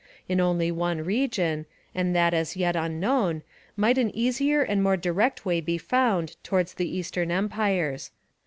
In only one region, and that as yet unknown, might an easier and more direct way be found towards the eastern empires.